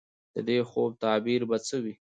د دې خوب تعبیر به څه وي ؟